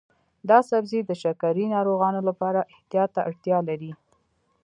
دا سبزی د شکرې ناروغانو لپاره احتیاط ته اړتیا لري.